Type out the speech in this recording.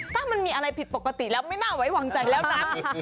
ถ้ามันมีอะไรผิดปกติแล้วไม่น่าไว้วางใจแล้วนะ